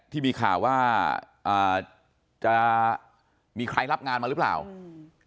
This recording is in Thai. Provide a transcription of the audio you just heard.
ที่มีข่าวว่าอ่าจะมีใครรับงานมาหรือเปล่าอืม